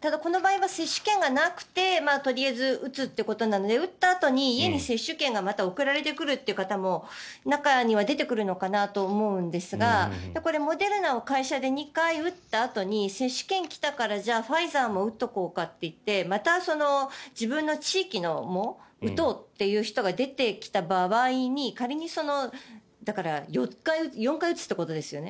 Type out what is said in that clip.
ただ、この場合は接種券がなくてとりあえず打つということなので打ったあとに家に接種券が送られてくるという方も中には出てくるのかなと思うんですがこれ、モデルナを会社で２回打ったあとに接種券が来たからじゃあファイザーも打っとこうかといってまた自分の地域のも打とうという人が出てきた場合に仮に４回打つってことですよね。